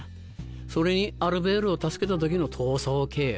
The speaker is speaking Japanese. それにアルベールを助けた時の逃走経路。